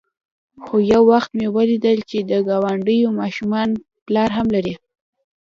خو يو وخت مې وليدل چې د گاونډيو ماشومان پلار هم لري.